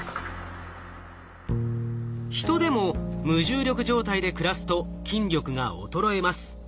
ヒトでも無重力状態で暮らすと筋力が衰えます。